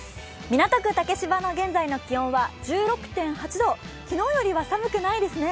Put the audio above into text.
港区竹芝の現在の気温は１６．８度、昨日よりは寒くないですね